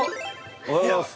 ◆おはようございます。